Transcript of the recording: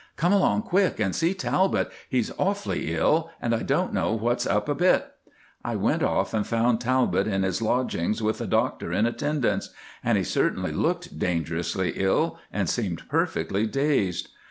"Come along quick and see Talbot; he's awfully ill, and I don't know what's up a bit." I went off and found Talbot in his lodgings with a doctor in attendance, and he certainly looked dangerously ill, and seemed perfectly dazed.